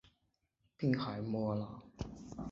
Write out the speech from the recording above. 滨海莫厄朗。